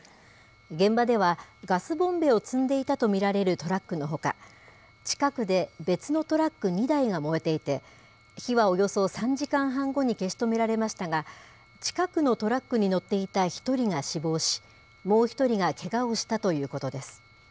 現場では、ガスボンベを積んでいたと見られるトラックのほか、近くで別のトラック２台が燃えていて、火はおよそ３時間半後に消し止められましたが、近くのトラックに乗っていた１人が死亡し、もう１人がけがをしたということです。